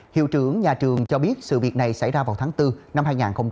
hiệu trưởng nhà trường cho biết sự việc này xảy ra vào tháng bốn năm hai nghìn hai mươi